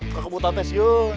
kekebutan tes yuk